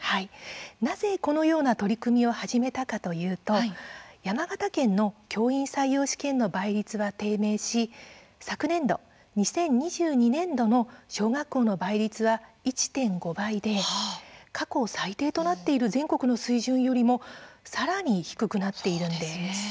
なぜこのような取り組みを始めたかというと山形県の教員採用試験の倍率は低迷し昨年度２０２２年度の小学校の倍率は１．５倍で過去最低となっている全国の水準よりもさらに低くなっているんです。